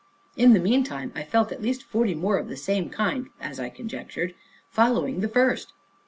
In the meantime, I felt at least forty more of the same kind (as I conjectured) following the first.